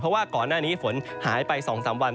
เพราะว่าก่อนหน้านี้ฝนหายไป๒๓วัน